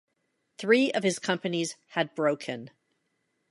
Three of his companies had broken.